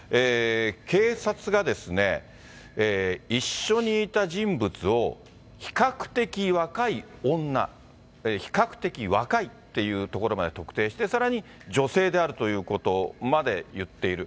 警察が一緒にいた人物を比較的若い女、比較的若いっていうところまで特定して、さらに女性であるということまで言っている。